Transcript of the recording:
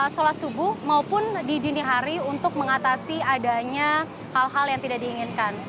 sholat subuh maupun di dini hari untuk mengatasi adanya hal hal yang tidak diinginkan